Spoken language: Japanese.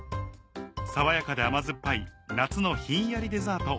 爽やかで甘酸っぱい夏のひんやりデザート